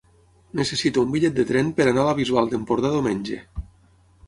Necessito un bitllet de tren per anar a la Bisbal d'Empordà diumenge.